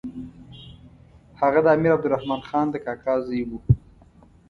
هغه د امیر عبدالرحمن خان د کاکا زوی وو.